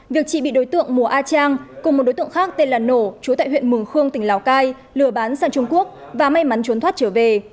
việc chị bị đối tượng mùa a trang cùng một đối tượng khác tên là nổ chú tại huyện mường khương tỉnh lào cai lừa bán sang trung quốc và may mắn trốn thoát trở về